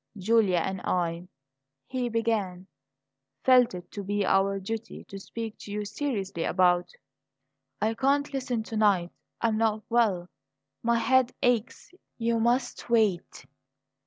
"Julia and I," he began, "feel it to be our duty to speak to you seriously about " "I can't listen to night; I I'm not well. My head aches you must wait."